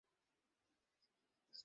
ও ঐ হেডড্রেসটা পরে আছে।